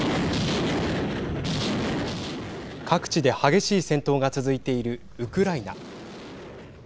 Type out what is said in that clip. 各地で激しい戦闘が続いているウクライナ。